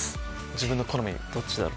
自分の好みどっちだろ？